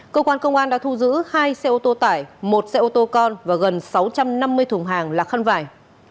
cơ quan công an đã thu giữ hai xe ô tô tải một xe ô tô con và gần sáu trăm năm mươi thùng hàng là khăn vải